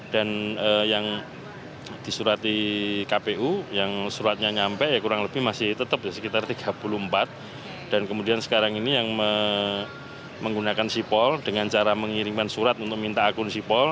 dan yang disurati kpu yang suratnya nyampe ya kurang lebih masih tetap sekitar tiga puluh empat dan kemudian sekarang ini yang menggunakan sipol dengan cara mengirimkan surat untuk minta akun sipol